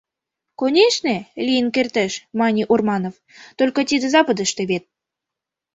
— Конечно, лийын кертеш... — мане Урманов, — Только тиде Западыште вет.